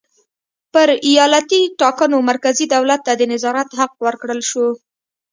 پر ایالتي ټاکنو مرکزي دولت ته د نظارت حق ورکړل شو.